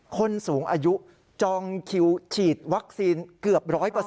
คนสูงอายุจองคิวฉีดวัคซีนเกือบ๑๐๐